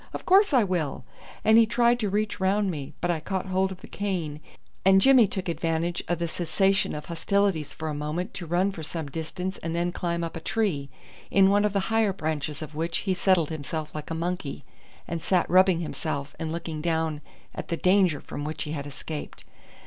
"Of course I will," and he tried to reach round me, but I caught hold of the cane, and Jimmy took advantage of the cessation of hostilities for a moment to run for some distance and then climb up a tree, in one of the higher branches of which he settled himself like a monkey, and sat rubbing himself and looking down at the danger from which he had escaped.